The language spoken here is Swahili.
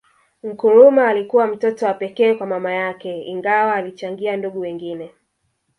Nkurumah alikuwa mtoto wa pekee kwa mama yake Ingawa alichangia ndugu wengine